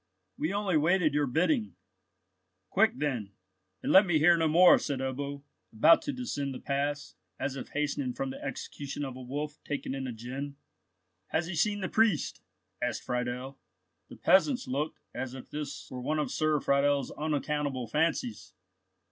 We only waited your bidding." "Quick then, and let me hear no more," said Ebbo, about to descend the pass, as if hastening from the execution of a wolf taken in a gin. "Has he seen the priest?" asked Friedel. The peasants looked as if this were one of Sir Friedel's unaccountable fancies.